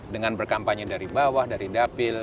dengan berkampanye dari bawah dari dapil